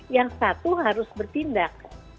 yang satu harus bertindak